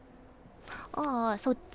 ああそっち。